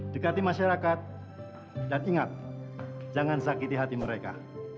dekati masyarakat dan ingat jangan sakiti hati mereka